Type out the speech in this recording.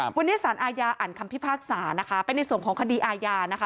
วันนี้สารอาญาอ่านคำพิพากษาไปในส่วนของคดีอาญา